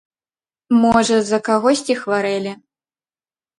Можа, за кагосьці хварэлі?